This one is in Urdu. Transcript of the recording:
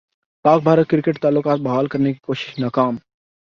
پاک بھارت کرکٹ تعلقات بحال کرنے کی کوشش ناکام